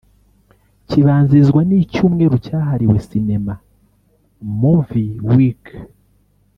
kibanzirizwa n’icyumweru cyahariwe sinema (Movie Week)